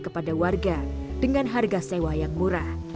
kepada warga dengan harga sewa yang murah